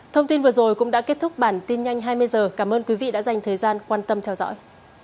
thông tin vừa rồi cũng đã kết thúc bản tin nhanh hai mươi h cảm ơn quý vị đã dành thời gian quan tâm theo dõi